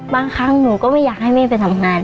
บางครั้งหนูก็ไม่อยากให้แม่ไปทำงาน